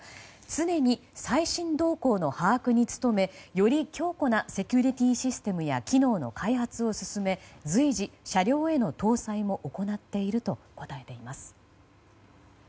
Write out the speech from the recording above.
常に最新動向の把握に努めより強固なセキュリティーシステムや機能の開発を進め随時、車両への搭載も行っていると答えています。